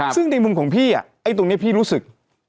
ซึ่งในมุมของพี่ไอ้ตรงนี้พี่รู้สึก